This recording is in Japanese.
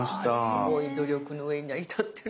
すごい努力の上に成り立ってる。